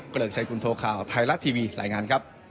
เกริกชัยคุณโทข่าวไทยรัฐทีวีรายงานครับ